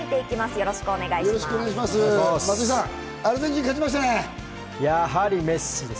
よろしくお願いします。